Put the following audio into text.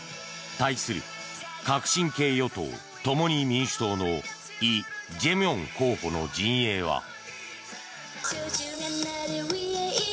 対する革新系与党・共に民主党のイ・ジェミョン候補の陣営は。